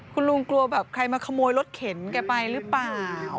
คุณลุงกลัวแบบใครมาขโมยรถเข็นแกไปหรือเปล่า